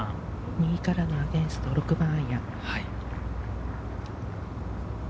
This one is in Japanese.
右からのアゲンスト、６番アイアン。